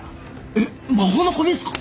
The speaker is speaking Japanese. えっ魔法の小瓶っすか！？